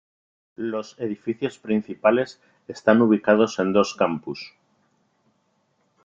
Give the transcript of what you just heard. Los edificios principales están ubicados en dos campus.